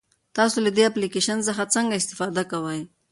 تاسو له دې اپلیکیشن څخه څنګه استفاده کوئ؟